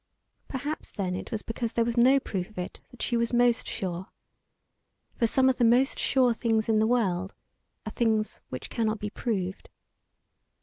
Perhaps then it was because there was no proof of it that she was most sure. For some of the most sure things in the world are things which cannot be proved.